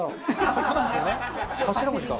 そこなんですよね。